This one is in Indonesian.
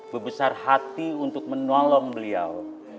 bebesar hati untuk menolong beliau